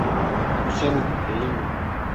Bu senin, değil mi?